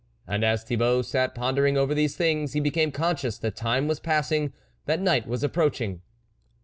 And as Thibault sat pondering over these things, he became conscious that time was passing, that night was approaching.